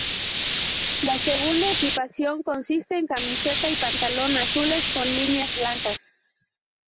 La segunda equipación consiste en camiseta y pantalón azules con líneas blancas.